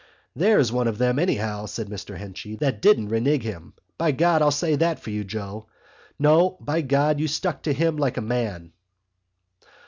"There's one of them, anyhow," said Mr Henchy, "that didn't renege him. By God, I'll say for you, Joe! No, by God, you stuck to him like a man!"